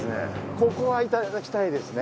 ここはいただきたいですね。